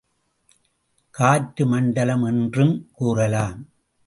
காற்று மண்டலம் என்றுங் கூறலாம்.